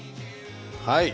はい！